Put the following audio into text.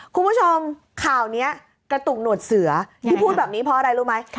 คุณผู้ชมข่าวนี้กระตุกหนวดเสือที่พูดแบบนี้เพราะอะไรรู้ไหม